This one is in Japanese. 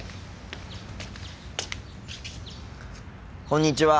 こんにちは。